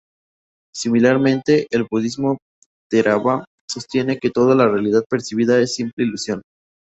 Similarmente, el budismo Theravada sostiene que toda la realidad percibida es simple ilusión.